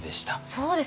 そうですね。